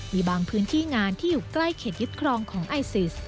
มีบางพื้นที่งานที่อยู่ใกล้เขตยึดครองของไอซิส